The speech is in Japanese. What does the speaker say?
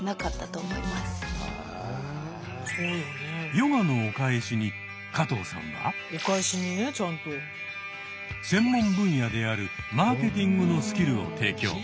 ヨガのお返しに加藤さんは専門分野であるマーケティングのスキルを提供。